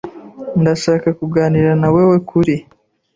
Ndashaka kuganira nawewe kuri .